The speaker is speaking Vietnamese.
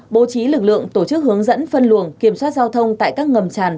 bố trí lực lượng tổ chức hướng dẫn phân luồng kiểm soát giao thông tại các ngầm tràn